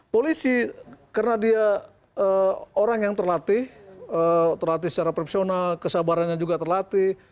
polisi karena dia orang yang terlatih terlatih secara profesional kesabarannya juga terlatih